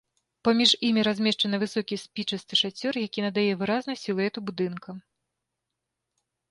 Паміж імі размешчаны высокі спічасты шацёр, які надае выразнасць сілуэту будынка.